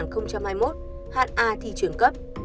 năm hai nghìn hai mươi một ha thi trưởng cấp